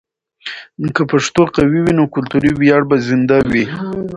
که پښتو قوي وي، نو کلتوري ویاړ به زنده وي.